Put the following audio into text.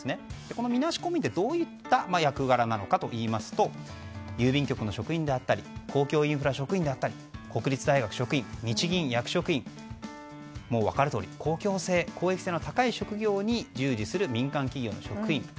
このみなし公務員というのはどういった役柄なのかといいますと郵便局の職員であったり公共インフラの職員であったり国立大学職員や日銀の役職員分かるとおり公共性・公益性の高い職業に従事する民間企業の職員。